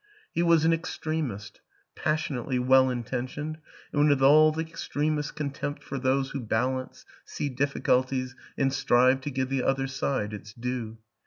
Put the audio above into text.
He was an extremist, passionately well intentioned and with all the extremist's con tempt for those who balance, see difficulties and strive to give the other side its due.